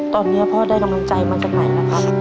ตอนนี้พ่อได้กำลังใจมาจากไหนล่ะครับ